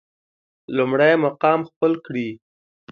لومړی مقام خپل کړي.